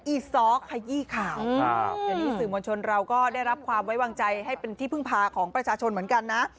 ีซ้อขยี้ข่าวครับเดี๋ยวนี้สื่อมวลชนเราก็ได้รับความไว้วางใจให้เป็นที่พึ่งพาของประชาชนเหมือนกันนะ